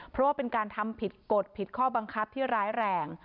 เพราะว่าเป็นการทำผิดกฎผิดข้อบังคับที่ร้ายแรง